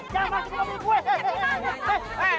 jangan masuk ke rumah gue